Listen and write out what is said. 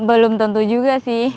belum tentu juga sih